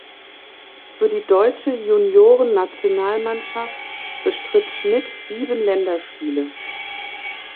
Für die deutsche Junioren-Nationalmannschaft bestritt Schmidt sieben Länderspiele.